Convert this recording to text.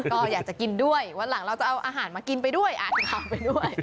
ก็อยากจะกินด้วยวันหลังเราจะเอาอาหารมากินไปด้วยอ่านข่าวไปด้วย